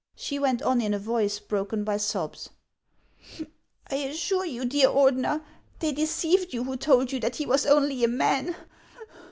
She went on in a voice broken by sobs :" I assure you, dear Ordener, they deceived you who told you that he was only a man.